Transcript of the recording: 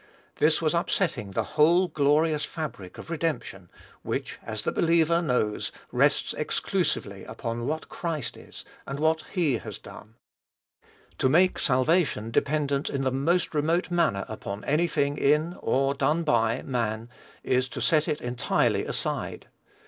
This was upsetting the whole glorious fabric of redemption, which, as the believer knows, rests exclusively upon what Christ is, and what he has done. To make salvation dependent in the most remote manner upon any thing in, or done by, man, is to set it entirely aside.